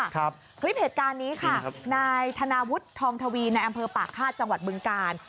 คลิปเหตุการณ์นี้ค่ะนายธนาวุฒิทองทวีในอำเภอปากฆาตจังหวัดบึงกาล